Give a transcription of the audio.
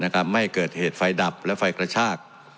ไม่เกิดเหตุไฟดับและไฟกระชาก